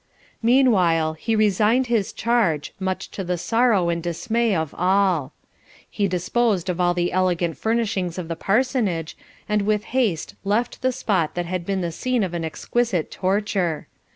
Meanwhile he resigned his charge, much to the sorrow and dismay of all. He disposed of all the elegant furnishings of the parsonage, and with haste left the spot that had been the scene of an exquisite torture.